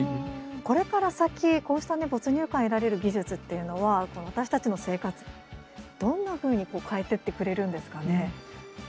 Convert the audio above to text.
これから先こうした没入感を得られる技術というのは、私たちの生活どんなふうに変えていってくれるんですかね。